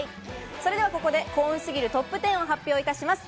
それではここで幸運すぎるトップ１０を発表いたします。